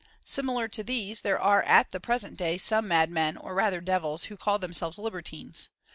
Similar to these, there are at the present day some madmen, or rather devils,^ who call themselves Libertines.